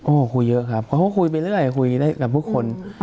โอ้โหคุยเยอะครับเพราะเขาคุยไปเรื่อยคุยได้กับทุกคน